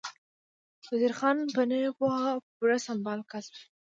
وزیر خان په نوې پوهه پوره سمبال کس و.